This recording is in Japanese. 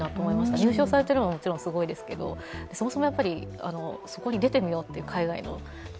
入賞されているのももちろんすごいですが、そもそもそこに出てみようと、海外の。